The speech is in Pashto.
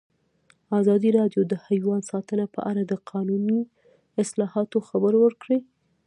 ازادي راډیو د حیوان ساتنه په اړه د قانوني اصلاحاتو خبر ورکړی.